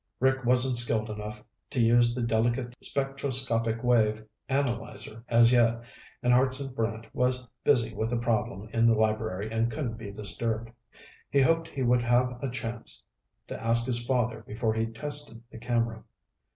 Rick wasn't skilled enough to use the delicate spectroscopic wave analyzer as yet and Hartson Brant was busy with a problem in the library and couldn't be disturbed. He hoped he would have a chance to ask his father before he tested the camera.